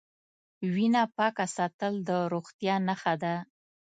وینه پاکه ساتل د روغتیا نښه ده.